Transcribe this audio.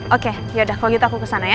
oke yaudah kalau gitu aku kesana ya